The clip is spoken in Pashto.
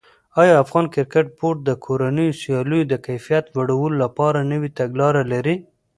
آیا افغان کرکټ بورډ د کورنیو سیالیو د کیفیت لوړولو لپاره نوې تګلاره لري؟